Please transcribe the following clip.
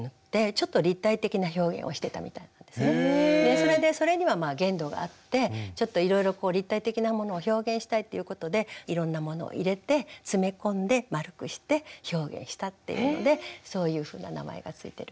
それでそれには限度があってちょっといろいろ立体的なものを表現したいっていうことでいろんなものを入れて詰め込んで丸くして表現したっていうのでそういうふうな名前が付いてる。